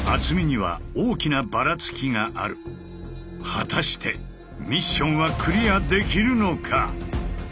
果たしてミッションはクリアできるのか。